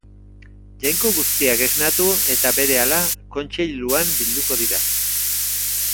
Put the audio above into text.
Jainko guztiak esnatu eta berehala, kontseiluan bilduko dira.